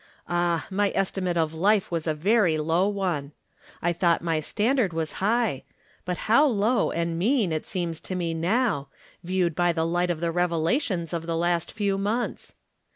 Ah, my estimate of life was a very low one ! I thought my standard was high — but how low and mean it seems to me now, viewed by the light of the revelations of the last few months